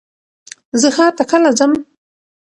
زه ښار ته کله ځم؟